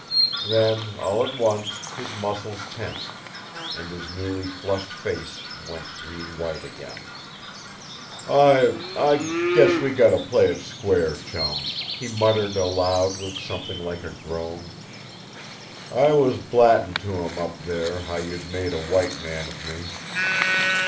Then, all at once, his muscles tensed, and his newly flushed face went green white again. "I I guess we got to play it square, Chum!" he muttered aloud, with something like a groan. "I was blattin' to 'em, up there, how you'd made a white man of me.